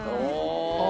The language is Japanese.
ああ。